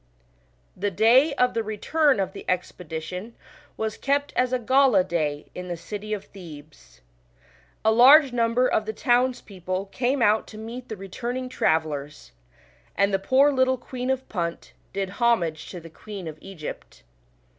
1 The day of the return of the expedition was kept as a gala day in the city of Thebes. A large number of the townspeople came out to meet the returning travellers, and the poor little Queen of Punt, did homage to the Queen of Egypt.